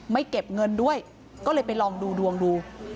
เก็บเงินด้วยก็เลยไปลองดูดวงดู